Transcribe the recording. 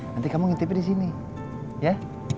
nanti kamu ngitipnya di sini ya